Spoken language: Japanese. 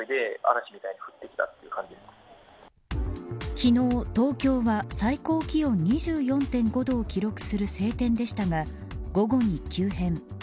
昨日、東京は最高気温２４．５度を記録する晴天でしたが午後に急変。